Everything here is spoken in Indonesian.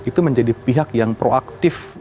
itu menjadi pihak yang proaktif